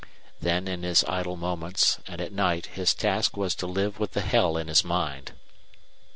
Then in his idle moments and at night his task was to live with the hell in his mind.